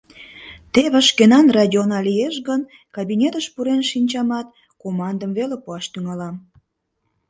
Теве шкенан радиона лиеш гын, кабинетыш пурен шинчамат, командым веле пуаш тӱҥалам.